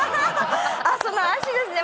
あっその足ですね。